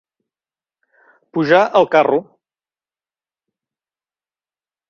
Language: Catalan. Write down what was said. Pujar al carro.